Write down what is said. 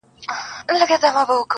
• کلي نوې څېره خپلوي ورو..